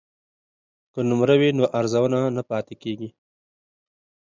که نمره وي نو ارزونه نه پاتې کیږي.